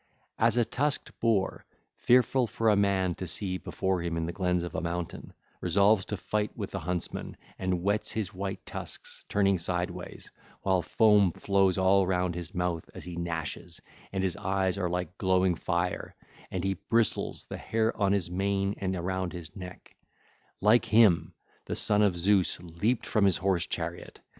(ll. 386 401) As a tusked boar, that is fearful for a man to see before him in the glens of a mountain, resolves to fight with the huntsmen and white tusks, turning sideways, while foam flows all round his mouth as he gnashes, and his eyes are like glowing fire, and he bristles the hair on his mane and around his neck—like him the son of Zeus leaped from his horse chariot.